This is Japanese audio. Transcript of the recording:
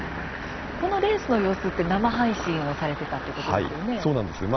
このレースの様子って生配信をされてたということですよね？